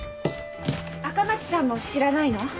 赤松さんも知らないの？